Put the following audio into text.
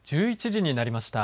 １１時になりました。